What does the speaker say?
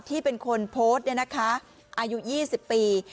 ที่เป็นคนโพสต์เนี่ยนะคะอายุ๒๐ปี